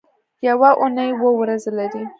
یوه اونۍ اووه ورځې لري